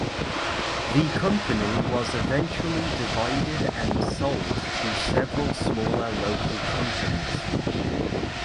The company was eventually divided and sold to several smaller local companies.